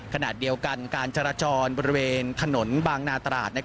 ขณะเดียวกันการจราจรบริเวณถนนบางนาตราด